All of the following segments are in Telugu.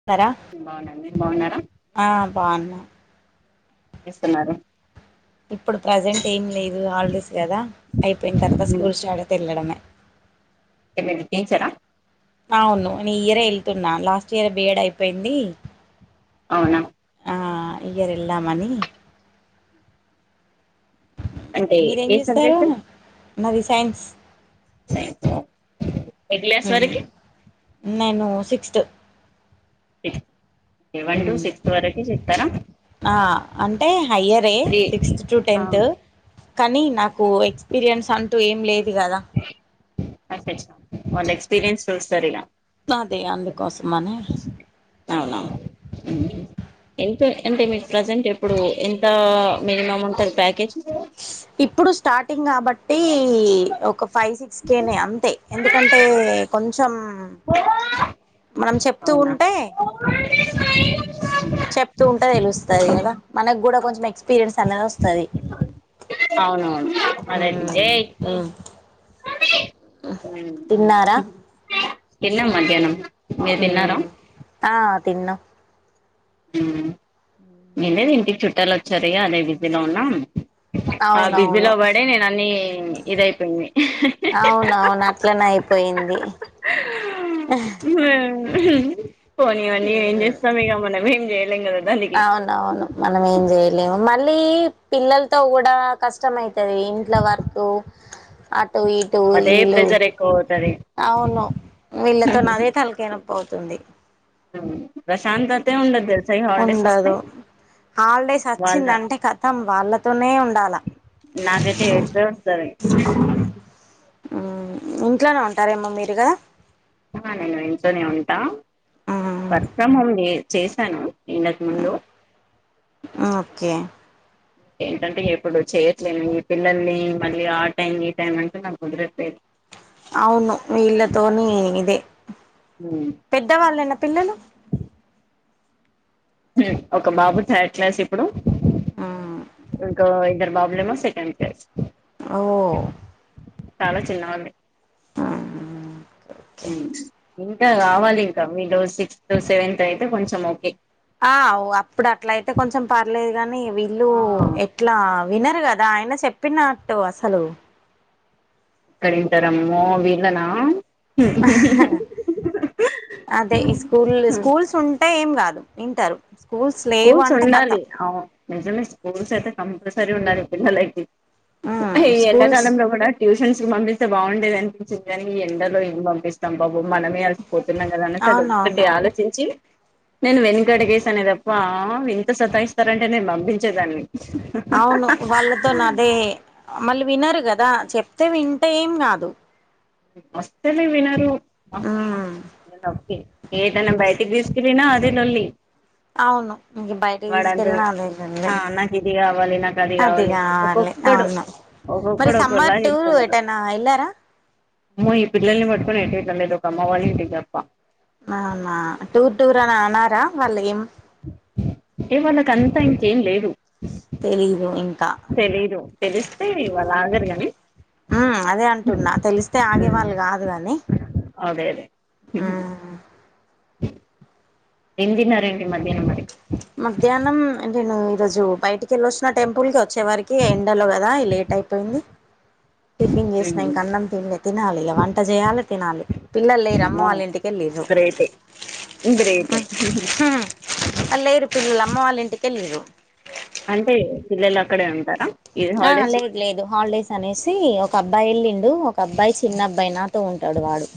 స్తార బాగున్నాను మీరు బాగున్నారా ఏం ఆ బావున్నా చేస్తున్నారు ఇప్పుడు ప్రజెంట్ ఏం లేదు హాలిడేస్ కదా అయిపోయిన తర్వాత స్కూల్ స్టార్ట్ అయితే ఎళ్లడమే ఏమటీ టీచర అవును నియరే వెళ్తున్నా లాస్ట్ ఇయర్ బిఏడ్ అయిపోయింది అవునా చెప్పు ఆ ఇయర్ వెళ్ళామని అంటే మీరేం ఏ చేస్తారు సబ్జెక్ట్ నాది సైన్స్ ఏ క్లాస్ ఉమ్, వరకి నేను sixth seven to um, six వరకి చెప్తారా ఆ అంటే హయ్యరే త్రీ సిక్స్ టు ఆ, టెన్త్ కానీ నాకు ఎక్స్పీరియన్స్ అంటూ టు ఏం లేదు కదా అంతే ఇష్టం ఎక్స్పీరియన్స్ చూస్తారు ఇలా అదే అందుకోసమనీ ఉ ఎంత అంటే మీకు ప్రజెంట్ ఎప్పుడు ఎంత మినిమం ఉంటంది ప్యాకేజ్ ఇప్పుడు స్టార్టింగ్ కాబట్టి ఒక ఫైవ్ సిక్స్ కేేనే అంతే ఎందుకంటే కొంచం అవునా చెప్తూ ఉంటే తెలుస్తుంది కదా మనకు కూడా కొంచెం ఎక్స్పీరియన్స్ అనేది వస్తుంది అవునవును మరయితే ఏయ్ హ్మ్. ఉ తిన్నారా? తిన్నం మధ్యాహ్నం మీరు ఉ తిన్నారా ఆ తిన్నాం నిన్నే ఇంటికి చుట్టాలు వచ్చారు అదే బిజిలో ఉన్నాం ఆ అవునవును. బిజీలోబడే నేను అన్ని ఇదయిపోయింది పోయింది పోనీ ఇవన్నీ ఏం హ్మ్. చేస్తాం ఇగా మనం ఏం చేయలేం కదా దానికి అవునవును మనం ఏం చేయలే ఎమో మళ్ళీ పిల్లలతో కూడా కష్టమైతది ఇంట్లో వర్క్ అట్ అటు ఇటు అదే ఇలు ప్రెజర్ ఎక్కువ అవుతది అవును వీళ్ళతోని అదే తలకాయ నొప్పి పోతుంది ప్రశాంతతే ఉండదు తెలుసా ఈ హాలిడేస్ వస్తే ఉండదు హాలిడేస్ వాళ్ళ వచ్చిందంటే కతం వాళ్ళతోనే ఉండాల నాకైతే ఏడుపే వస్తది ఆ ఇంట్లోనే ఉంటారేమో మీరీగా ఆ నేను ఇంట్లోనే ఉంటా వర్క్ ఫ్రమ్ హోమ్ చే చేశాను ఇంతకు ముందు ఆ ఓకే ఏంటంటే ఎప్పుడు చేయట్లేను ఈ పిల్లల్ని మళ్ళీ ఆ టైం ఈ టైం అంటే నాకుదరట్లేద్ అవును వీళ్ళతోని ఇదే హ్మ్. పెద్దవాళ్ళేన పిల్లలు హ్ ఒక బాబు తర్డ్క్లాస్స్ ఇప్పుడు ఇంకా ఇద్దరు బాబులేమో సెకండ్క్లాస్స్ ఓ చాల చిన్నవాళ్లే ఆ ఉమ్ ఇంకా కావాలింకా మీలో సిక్స్త్ సెవెన్త్ అయితే కొంచెం ఓకే ఆ ఒ అప్పుడు అట్ల అయితే కొంచెం పర్లేదు గాని వీళ్ళు ఆ ఎట్లా వినరు గదా ఆయన చెప్పినట్టు అసలు ఎక్కడింటారమ్మో వీళ్ళనా అహ్హ్ అదే ఈ స్కూల్ స్కూల్స్ టే ఏంగాదు వింటరు స్కూల్స్ ఉండాలి అవును నిజమే స్కూల్స్ అయితే కంపల్సరీ ఉండాలి పిల్లలకి అహ్ ఉమ్ ఈ స్కూల్స్ ఎండాకాలంలో గూడా ట్యూషన్స్ పంపి బాగుండేది అనిపించింది గని ఈ ఎండలో ఏం పంపిస్తాం బాబు మనమే అలసిపోతున్నాం కదా అనేసి అది ఒక్కటి అవునవును ఆలోచించి నేను వెనుక అడుగు వేసా వా ఇంత సతాయిస్తారంటే నేను పంపించేదాన్ని అవును వాళ్ళతో అదే వినరు కదా చెప్తే వింటే ఏం గాదు అసలే వినరు అ ఉమ్ ఓకే ఏటన్న బయటికి తిసుకపోయినా అదేలొల్లి అవును ఇంగ బయటికి తీసుకెళ్ళిన అదేలొల్లి ఆ నాకు ఇది కావాలి నాకు అది అదే కావాలి ఆ అద్ లె ఒక్కొక్కడు అవును మరి ఒక్కొక్కడు ఒక్కోలా సమ్మర్ టూరు చెప్తున్నారు ఏటనై ఎల్లార అమ్మో ఈ పిల్లల్ని పట్టుకొని ఎట్ వెళ్లలేదు లేదు ఒకమ్మ వాళ్ళింటికి తప్ప అవునా టూర్ టూర్ అని అనరా వాళ్ళు ఏం ఎ వాళ్ళకంతా ఇంకేం లేదు తెలిదు తెలీదు తెలిస్తే వాళ్లు ఆగరుగని అ అదే అంటున్నా తెలిస్తే ఆగేవాళ్ళు కాదుకని అదే అదే ఏందిన్నారేంటి మధ్యాహ్నం మధ్యాహ్నం నేను ఈరోజు బయటికిళ్ళొచ్చిన టెంపుల్ కి వచ్చే వరికి ఎండలో కదా ఇగ లేట్ అయిపోయింది టిఫిన్ చేసిన ఇంక అన్నం తిన్లే తినాలి ఇగ వంట చేయాలి తినాలి పిల్లలు లేరు అమ్మ వాళ్ళ ఇంటికెళ్ళిలు గ్రేట్ ఏ ఉమ్ ఉహు అ లేరు పిల్లలమ్మ వాళ్ళింటికెళ్లిరు అంటే పిల్లలక్కడే ఉంటారా ఇది ఆ హాలిడేస్ లేదు లేదు హాలిడేస్ అనేసి ఒక అబ్బాయి వెళ్ళిన్ దు ఒక అబ్బాయి చిన్నబ్బాయి నాతో ఉంటాడు వాడు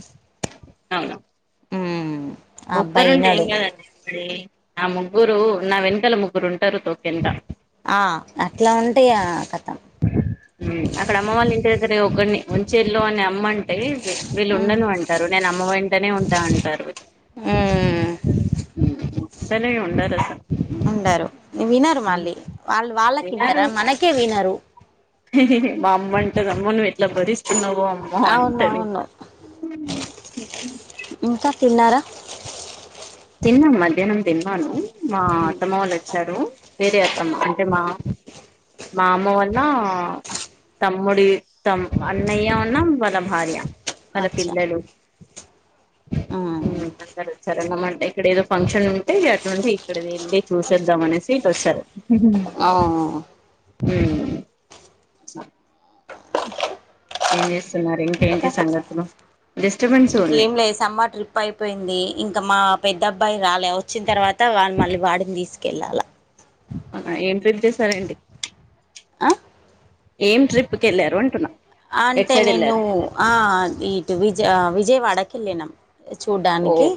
అవున ఉమ్ ఆ అబ్బాయి ఒక్కరుంటే ఏం వినడు కాదండి ఇప్పుడి నా ముగ్గురు నా వెనకాల ముగ్గురుంటారు తోకెంట ఆ అట్లా ఉంటిగా ఖతం సరే ఒకడిని ఉంచేల్లో అని అమ్మ అంటే వీళ్ళు ఉమ్ ఉండను అంటరు నేను అమ్మ వెంటనే ఉంటా అంటారు ఉమ్ అసలే ఉండరు ఉండరు వినరు మళ్ళీ హ్మ్. వాళ్ళు వాళ్ళకింటరా మనకే వినరు హిహిహీ మా అమ్మంటద్ అమ్మో నువ్వు ఎట్లా బరిస్ వం అమ్మో అవును అంటది అవును ఇంకా తిన్నారా తిన్నాం మధ్యాహ్నం తిన్నాను మా అత్తమ్మ వాళ్ళ వచ్చి చ్చాడు వేరే అత్తమ్మ అంటే మా మా అమ్మ వాళ్ళ తమ్ముడి తం అన్నయ్య ఉన్ను వాళ్ళ భార్య వాళ్ళ పిల్లలు ఆ రమ్మంటే ఇక్కడ ఏదో ఫంక్షన్ ఉంటే అట్లాంటే ఇక్కడ వెళ్ళి చూసేద్దాం అనేసి ఇట్ వచ్చారు అ హ్ ఏం చేస్తున్నారు ఇంకా ఇంకేంటి సంగతులు డిస్టర్బెన్స్ ఉన్నాయి ఇంకేం లేదు సమ్మర్ ట్రిప్ అయిపోయింది ఇంకా మా పెద్ద అబ్బాయి రాలే వచ్చిన తర్వాత కొత్త వాళ్ళు మళ్ళీ వాడిని తీసుకెళ్ళాల ఏం పీర్ చేశారేంటి ఆ ఏం ట్రిప్కి వెళ్ళారు అంటున్నా ఎటు అంటే సైడ్ నేను వెళ్ళారు ఆ ఇటు విజయ విజయవాడకి వెళ్ళనాం చూడ్డానికి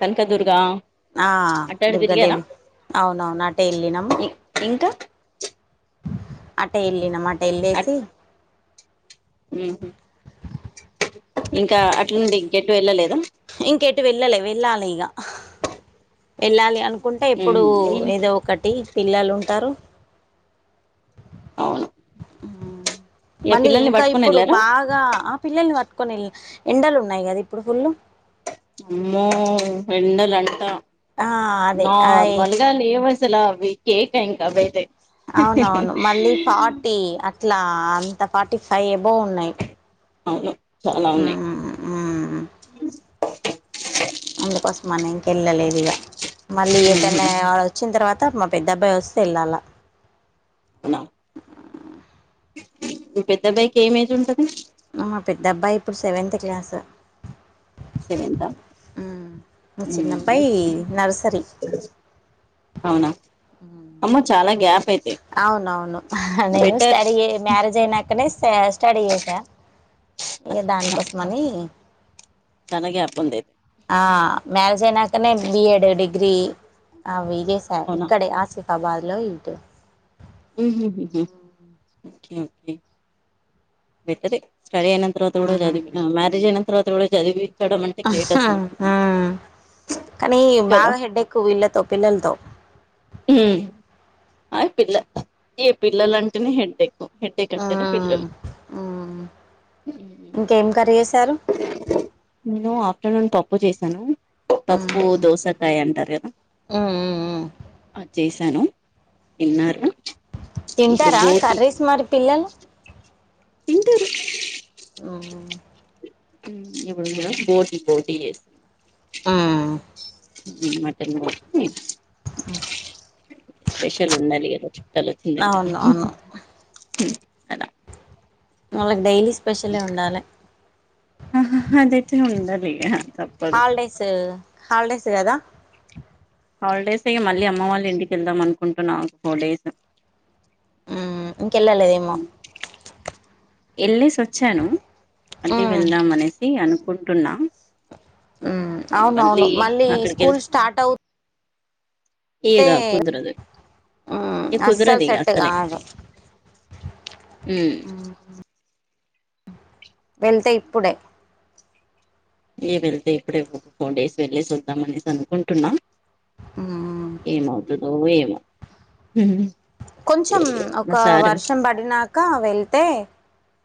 కనకదుర్గా ఆ దుర్గదేవి అవునవును అటెవెల్లినం ఇ ఇంకా అట్ట ఇల్ళనమ అట్ ఉహామ్ ఇంకా ఉండి ఇంకేటు వెళ్ళలేదా ఎల్లాలి అను కుంట ఎప్పుడు ఉహు ఈ ఏదో ఒకటి పిల్లలు ఉంటారు అవును ఏ మళ్ళీ పిల్లల్ని ఇంకా పట్టుకొని ఇప్పుడు వెళ్ళారా బాగా ఆ పిల్లల్ని పట్టుకో కొన్ని ఎండలు ఉన్నాయి కదా ఇప్పుడు ఫుల్ అమ్మో ఎండలు అంటా ఆ అదే అయ్ నారర్మల్గా లేవశా సలా అవి కేక ఇంక అవైతే అవునవును మళ్ళీ ఫార్టీ అట్లా అంత ఫార్టీ ఫైవ్ బోనయ్ అవును చాలా హ్మ్ హ్మ్ అ అందుకోసమని ఇంకెళ్ళలేదు ఇగ మళ్ళీ ఉహు ఏటైనే వచ్చిన తర్వాత మా పెద్ద అబ్బాయి వస్తే వెళ్ళాలా అనా మీ పెద్దబాయికి ఏం ఏజ్ ఉంటంది మా పెద్దబ్బాయి ఇప్పుడు సెవెంత్ క్లాసు సేవేంత మా చిన్న అబ్బాయి నర్సరీ అవునా హ్మ్ అమ్మో చాలా గ్యాప్ అయిత అవునవును నేను స్టడీయె మ్యారేజ్ అయినాకనే స్టడీ చేసా ఇగ అచ్చచ్చ దానికోసమని చాలా గ్యాప్ ఉంది ఆ మ్యారేజ్ అయినాకనే బిఎడ్ డిగ్రీ అవి చేసా అవునా ఇక్కడే ఆశతి బాద్లో ఇటు హ్మ్ ఓకే బెటరె స్టడీ అయినాతర్వాత కుడా హ్మ్. చదివిన మ్యారేజ్ అయినాతర్వాత కూడా చదివవి ఆహా హ కానీ కదా బాగా హెడేక్ వీళ్ళతో పిల్లలతో హ్మ్ అ పిల్ల ఇ పిల్లలుంటేనే హెడ్క్కు హెడేక్ అంటేనే హ్మ్. పిల్లలు హ్మ్. ఇంకేం కర్రీ చేశారు? నేను ఆఫ్టర్నూన్ పప్పు చేశాను హ్మ్. పప్పు హ్మ్. దోసకాయ అంటారు కాదా హ్మ్. హ్మ్. అది చేస్ నను తిన్నరా తింటారా కర్రీస్ మరి పిల్లలు తింటారు అ మ్ ఇప్పుడు వున్న బోటి బోటియే మ్ మటన్ బో ఒకే స్పెషల్ ఉండాలి కదా చుట్టాలు వచ్చిండ్రు అంటే అవునవును. అలా వాళ్ళకి డైలీ స్పెషలే ఉండాలి తెచ్చిన ఉండాలీ ఇగ తప్పదు హాలిడేస్ హాలిడేస్ కదా హాలిడేస్ ఇగ మళ్ళీ అమ్మ వాళ్ళు ఇంటికి వెళ్దాం అనుకుంటున్నా ఫోర్ డేస్ మ్ ఇంకెళ్ళాలేదేమో వెళ్ళేసి వచ్చాను మళ్ళీ మ్మ్ వెళ్దాం అనేసి అనుకుంటున్నా మ్ అవునవును మళ్ళీ అక్కడికి వెళ్ స్కూల్ స్టార్ట్ అవు తే ఇగ కుదరదు ఇగ అస్సలు కుదరదు ఇగ సెట్టు అసలే కాదు ఉమ్ మ్ వెళ్తే ఇప్పుడే ఏ వెళ్తే ఇప్పుడే ఒక ఫోర్ డేస్ వెళ్ళసి వద్దాం అనేసి అనుకుంటున్నా మ్ మ్ ఏందో ఎమొ కొంచెం ఒక వర్షం పడినాక వెళ్తే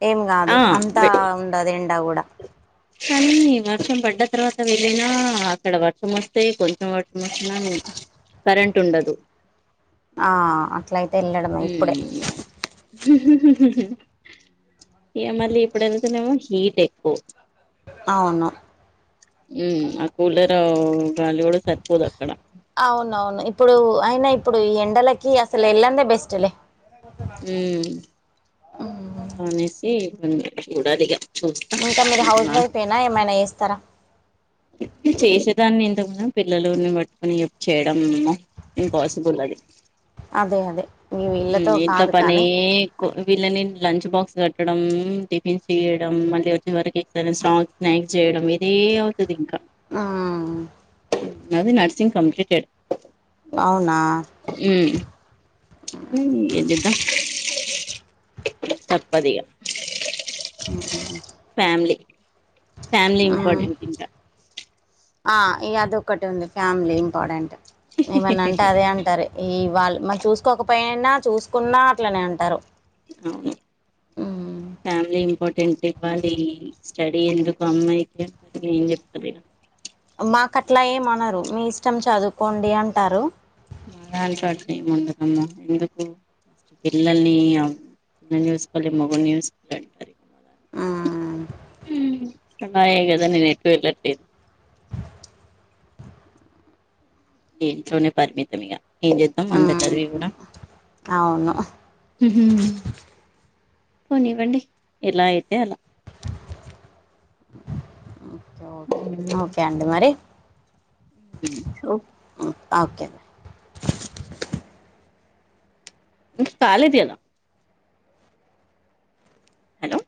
ఏం కాదు ఆ అంతా ఉండది ఎండా కూడా కానీ వర్షం పడ్డ తర్వాత వెళ్ళిన అక్కడ వర్షం వస్తే కొంచెం వర్షం వచ్చిన కరంట్ ఉండదు ఆ అట్లయితే వెళ్ళడమే ఇప్పుడే మ్ ఇగ మళ్ళీ ఇప్పుడు వెళ్తనేమో హీట్ ఎక్కువ అవును మ్ ఆ కూలరు గాలి కూడా సరిపోదు అక్కడ అవునవును ఇప్పుడు అయినా ఇప్పుడు ఈ ఎండలకి అసలు ఎళ్ళందే బెస్ట్లే మ్ అనేసి నెక్స్ట్ చూడలి ఇగ చూస్త ఇంకా మీరు హౌస్ వైఫ్ ఏనా [unintelligible] ఏమైనా చేస్తారా ఓ చేసేదాన్ని ఇంతకున్నా పిల్లలుని పట్టుకుని ఇప్ చేయడం ఏమో ఇంపాసిబుల్ అది అదే అదే మీ వీళ్ళతో మ్ ఇంట్ల కాదు పనే కానీ ఎక్కువ విల్లని లంచ్ బాక్స్ కట్టడం టిఫిన్ చేయడం మళ్ళీ వచ్చే వరకు స్నాక్స్ చేయ డం ఇదే అవ్ ఆ నాది నర్సింగ్ కంప్లీటెడ్ అవ్ మ్ ఏంచేద్దాం తప్పదిగ మ్ హు ఫ్యామిలీ ఇంపార్టెంట్ ఇంకా ఆ ఈ అదొక్కటి ఉంది ఫ్యామిలీ ఇంపార్టెంట్. ఏమన్నంటే అదే అంటారు ఈ వాళ్ళు మరి చూసుకోకపయ్ నా చూసుకున్నా అట్లనే అంటరు. అవును టెంట్ ఇవ్వాలి స్టడీ ఎందుకు అమ్మాయితే ఏం చెప్తరు ఇగ మాకు అట్లా ఏమనరు మీ ఇష్టం చదువుకోండి అంటారు. ఈ ముందటమ్మ ఎందుకు పిల్లల్ని ఇగ నిన్ను చూసుకోవాలి మొగుని చూసుకోవాలి అంటారు మ్మ్ ఊ నాయె గద నేను ఎటు వెలట్లేదు ఈ ఇంట్లోనే పరిమితం ఇక ఏం చేద్దాం అంత మ్మ్ చదివి కూడా. అవును పోనివ్వండి ఎలా అయితే అలా ఓకే ఓకే ఓకే అండి మరి ఊ ఓకే ఓకే నువ్ కాలేజ్ కదా హలో